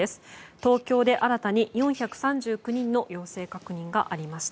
東京都で新たに４３９人の陽性確認がありました。